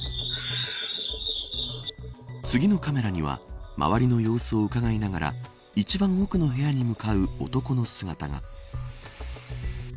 次のカメラには周りの様子をうかがいながら一番奥の部屋に向かう男の姿が。